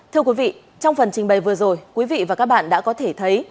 thưa quý vị trong phần trình bày vừa rồi quý vị và các bạn đã có thể thấy